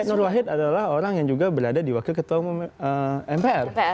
pak hidayat nur wahid adalah orang yang juga berada diwakil ketua mpr